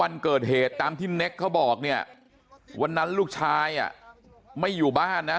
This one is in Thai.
วันเกิดเหตุตามที่เน็กเขาบอกเนี่ยวันนั้นลูกชายอ่ะไม่อยู่บ้านนะ